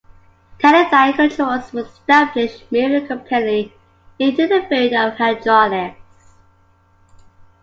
Teledyne Controls was established, moving the Company into the field of hydraulics.